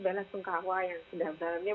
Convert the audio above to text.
bala sungkawa yang sedang dalamnya